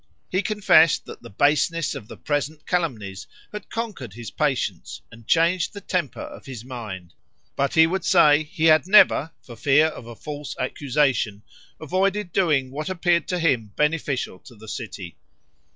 He confessed that the baseness of the present calumnies had conquered his patience and changed the temper of his mind; but he would say, he had never, for fear of a false accusation, avoided doing what appeared to him beneficial to the city.